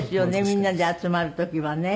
みんなで集まる時はね。